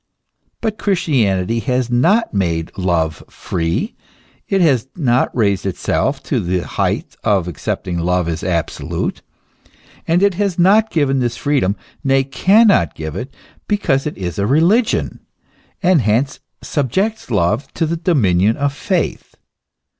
But Christianity has not made love free ; it has not raised itself to the height of accepting love as absolute. And it has not given this freedom, nay, cannot give it, because it is a religion, and hence subjects love to the dominion of faith.